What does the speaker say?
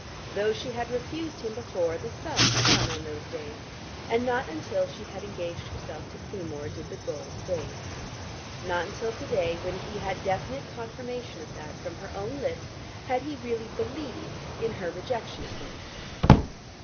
Though she had refused him before, the sun shone on those days, and not until she had engaged herself to Seymour did the gold fade. Not until to day when he had definite confirmation of that from her own lips, had he really believed in her rejection of him.